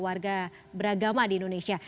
warga beragama di indonesia